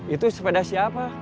itu sepeda siapa